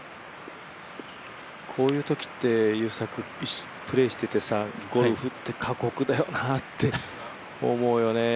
こういうときプレーしていてゴルフって過酷だなって思うよね。